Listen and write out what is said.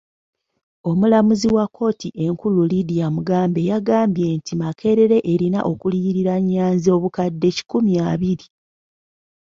Omulamuzi wa kkooti enkulu Lydia Mugambe yagambye nti Makerere erina okuliyirira Nnyanzi obukadde kikumi abiri.